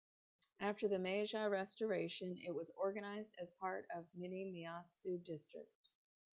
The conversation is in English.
After the Meiji Restoration, it was organized as part of Minamiaizu District.